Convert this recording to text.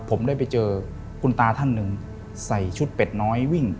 ผมได้ไปเจอคุณตาท่านหนึ่งใส่ชุดเป็ดน้อยวิ่ง